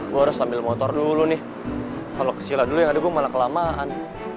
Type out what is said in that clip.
gue harus ambil motor dulu nih kalau kesila dulu yang ada gue malah kelamaan